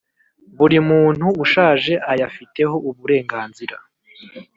buri muntu ushaje ayafiteho uburenganzira